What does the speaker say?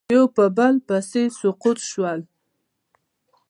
یو په بل پسې سقوط شول